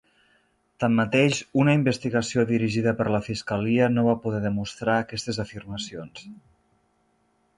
Tanmateix, una investigació dirigida per la Fiscalia no va poder demostrar aquestes afirmacions.